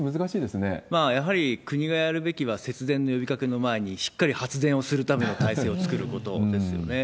やはり、国がやるべきは、節電の呼びかけの前に、しっかり発電をするための体制を作ることですよね。